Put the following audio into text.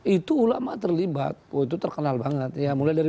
itu ulama terlibat itu terkenal banget ya mulai dari